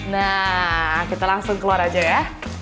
nah kita langsung keluar aja ya